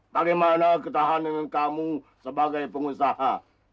bagaimana ketahanan kamu sebagai pengusaha